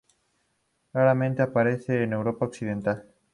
Raramente aparece en Europa occidental.